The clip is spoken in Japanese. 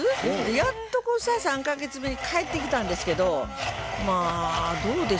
やっとこさ３か月めに帰ってきたんですけどまあどうでしょう